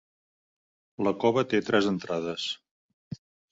La cova té tres entrades.